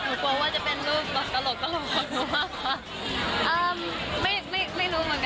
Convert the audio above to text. กูกลัวว่าจะเป็นรูปตลกของกูมากค่ะ